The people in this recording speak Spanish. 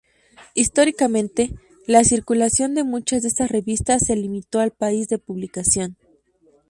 Históricamente, la circulación de muchas de estas revistas se limitó al país de publicación.